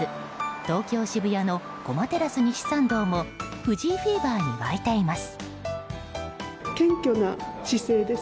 東京・渋谷の駒テラス西参道も藤井フィーバーに沸いています。